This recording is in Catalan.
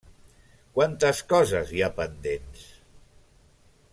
Quantes coses hi ha pendents?